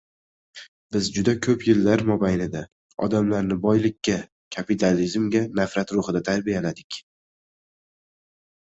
— Biz juda ko‘p yillar mobaynida odamlarni boylikka, kapitalizmga nafrat ruhida tarbiyaladik.